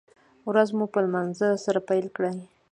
ورځ مو په لمانځه سره پیل کړئ